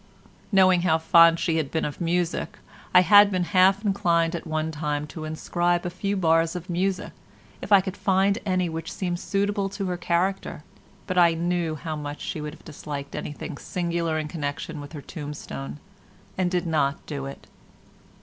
Knowing how fond she had been of music I had been half inclined at one time to inscribe a few bars of music, if I could find any which seemed suitable to her character, but I knew how much she would have disliked anything singular in connection with her tombstone and did not do it.